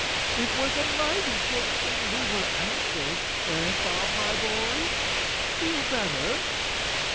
" It was a mighty good thing we were anchored, eh, Bob, my boy? Feel better?"